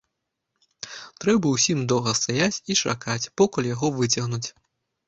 Трэба ўсім доўга стаяць і чакаць, покуль яго выцягнуць.